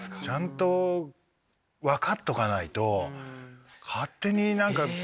ちゃんと分かっとかないと勝手に何か。